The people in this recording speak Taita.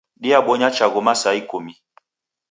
Diabonya chaghu masaa ikumi